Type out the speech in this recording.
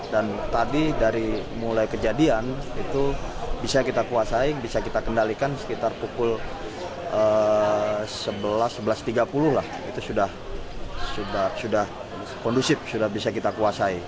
dan tadi dari mulai kejadian itu bisa kita kuasai bisa kita kendalikan sekitar pukul sebelas tiga puluh itu sudah kondusif sudah bisa kita kuasai